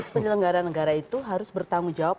penyelenggara negara itu harus bertanggung jawab